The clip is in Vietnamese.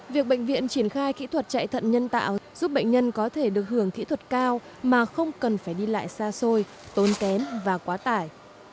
việc bệnh viện triển khai kỹ thuật chạy thận nhân tạo giúp bệnh nhân có thể được hưởng kỹ thuật cao mà không cần phải đi lại xa xôi tốn kém và quá tải